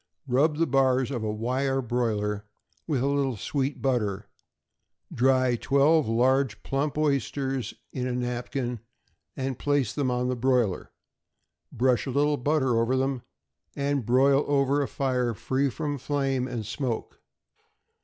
= Rub the bars of a wire broiler with a little sweet butter; dry twelve large, plump oysters in a napkin, and place them on the broiler; brush a little butter over them, and broil over a fire free from flame and smoke.